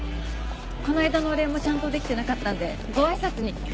この間のお礼もちゃんとできてなかったんでご挨拶に。